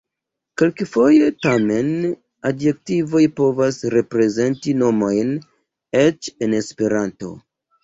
Kelkfoje tamen adjektivoj povas reprezenti nomojn, eĉ en Esperanto.